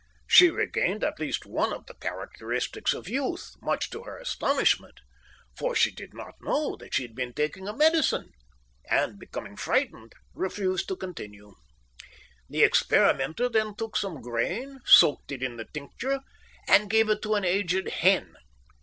She regained at least one of the characteristics of youth, much to her astonishment, for she did not know that she had been taking a medicine, and, becoming frightened, refused to continue. The experimenter then took some grain, soaked it in the tincture, and gave it to an aged hen.